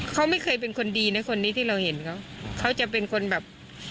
เขาไม่เคยเป็นคนดีในซีลันที่เราเห็นเขา